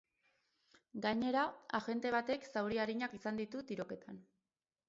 Gainera, agente batek zauri arinak izan ditu tiroketan.